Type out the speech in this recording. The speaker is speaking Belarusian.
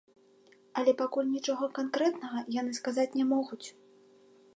Але пакуль нічога канкрэтнага яны сказаць не могуць.